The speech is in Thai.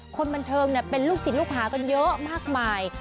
คนบันเทิงเป็นลูกศิษย์ลูกหากันเยอะมากมาย